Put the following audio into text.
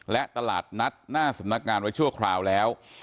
และตลาดนัดหน้าสำนักงานไว้ชั่วคราวแล้ว